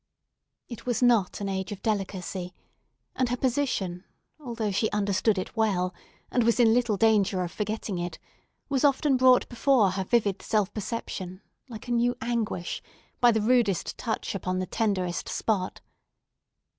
It was not an age of delicacy; and her position, although she understood it well, and was in little danger of forgetting it, was often brought before her vivid self perception, like a new anguish, by the rudest touch upon the tenderest spot.